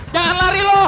jangan lari loh